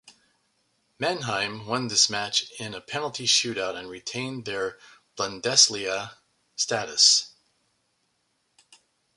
Mannheim won this match in a penalty shootout and retained their Bundesliga status.